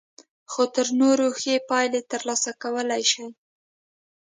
خو تر نورو ښې پايلې ترلاسه کولای شئ.